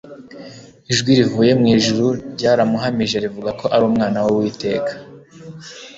ijwi rivuye mu ijuru ryaramuhamije rivuga ko ari Umwana w'Uwiteka.